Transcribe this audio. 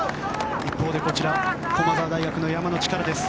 一方で駒澤大学の山野力です。